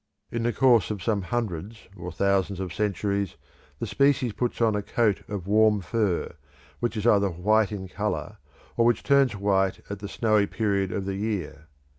In the course of some hundreds or thousands of centuries the species puts on a coat of warm fur, which is either white in colour, or which turns white at the snowy period of the year.